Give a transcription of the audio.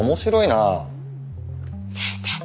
先生。